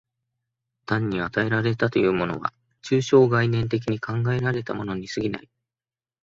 単に与えられたものというものは、抽象概念的に考えられたものに過ぎない。